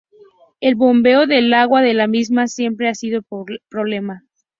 El bombeo del agua de la mina siempre ha sido problema.